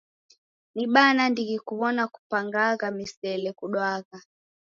Ni baa nandighi kaw'ona kupangagha misele kudwagha.